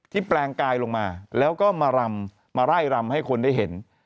แปลงกายลงมาแล้วก็มารำมาไล่รำให้คนได้เห็น